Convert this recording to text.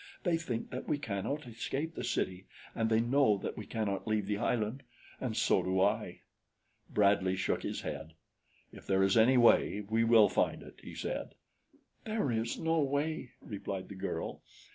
They think that we cannot escape the city, and they know that we cannot leave the island and so do I." Bradley shook his head. "If there is any way, we will find it," he said. "There is no way," replied the girl.